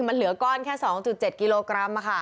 มันเหลือก้อนแค่๒๗กิโลกรัม